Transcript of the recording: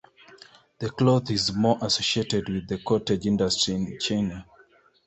The cloth is more associated with the cottage industry in China.